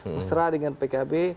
mesra dengan pkb